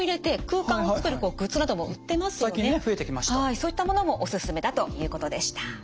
そういったものもおすすめだということでした。